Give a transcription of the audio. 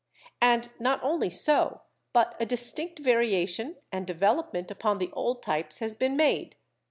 And not only so, but a distinct variation and development upon the old types has been made.